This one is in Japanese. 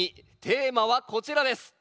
テーマはこちらです。